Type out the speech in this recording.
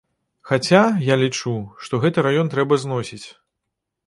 Хаця, я лічу, што гэты раён трэба зносіць.